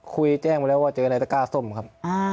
คุยแจ้งมาแล้วว่าเจอในตะก้าส้มครับ